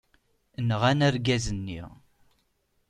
Nɣan argaz-nni.